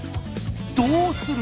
どうする？